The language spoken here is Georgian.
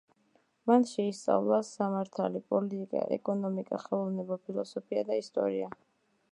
მან შეისწავლა სამართალი, პოლიტიკა, ეკონომიკა, ხელოვნება, ფილოსოფია და ისტორია.